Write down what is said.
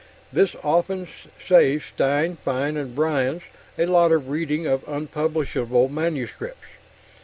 This often saved Stein, Fine & Bryans a lot of reading of unpublishable manuscripts.